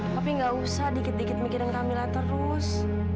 tapi gak usah dikit dikit mikirin camilla terus